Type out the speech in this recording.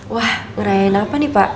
wah ngerayain apa nih pak